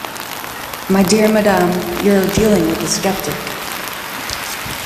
My dear madame, you are dealing with a sceptic.